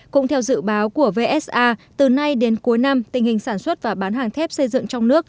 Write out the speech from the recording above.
cũng theo dự báo của vsa từ nay đến cuối năm tình hình sản xuất và bán hàng thép xây dựng trong nước